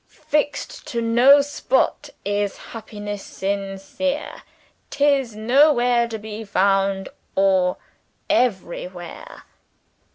'Fixed to no spot is happiness sincere; 'tis nowhere to be found, or everywhere.'